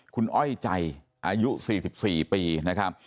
คุณอ้อยใจอายุ๔๔ปีนะครับ